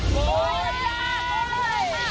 โอ้โหยังไงคุณคุณค่ะ